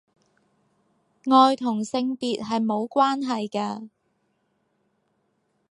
愛同性別係無關係㗎